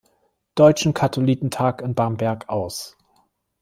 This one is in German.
Deutschen Katholikentag in Bamberg aus.